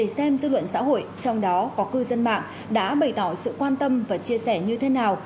trong đó có cư dân mạng đã bày tỏ sự quan tâm và chia sẻ như thế nào